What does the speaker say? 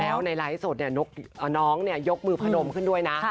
แล้วในไลน์ให้สดเนี่ยน้องยกมือผนมขึ้นด้วยนะ